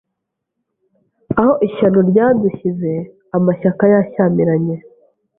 Aho ishyano ryadushyize Amashyaka yashyamiranye